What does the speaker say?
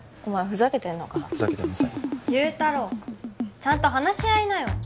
ふざけてません祐太郎ちゃんと話し合いなよ